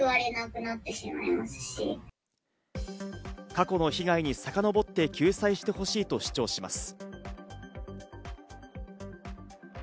過去の被害さかのぼって救済してほいと主張します。